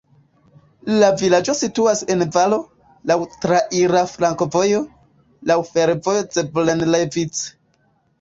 La vilaĝo situas en valo, laŭ traira flankovojo, laŭ fervojo Zvolen-Levice.